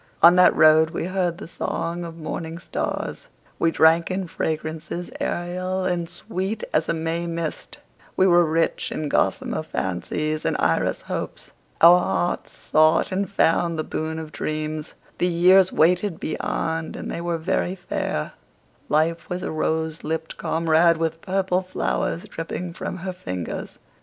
On that road we heard the song of morning stars; we drank in fragrances aerial and sweet as a May mist; we were rich in gossamer fancies and iris hopes; our hearts sought and found the boon of dreams; the years waited beyond and they were very fair; life was a rose lipped comrade with purple flowers dripping from her fingers.